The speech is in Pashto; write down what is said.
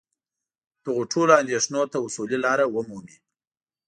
دغو ټولو اندېښنو ته اصولي لاره ومومي.